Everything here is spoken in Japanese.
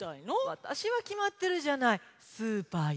わたしはきまってるじゃないスーパーよ。